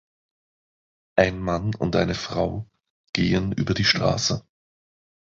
Ein Mann und eine Frau gehen über die Straße.